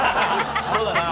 そうだな。